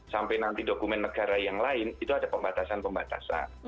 sampai nanti dokumen negara yang lain itu ada pembatasan pembatasan